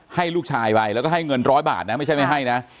ให้ลูกชายไปแล้วก็ให้เงินร้อยบาทนะไม่ใช่ไม่ให้นะ